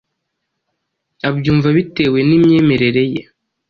abyumva bitewe n’imyemerere ye